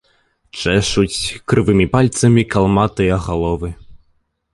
Чэшуць крывымі пальцамі калматыя галовы.